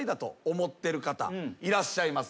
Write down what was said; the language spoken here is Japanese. いらっしゃいます。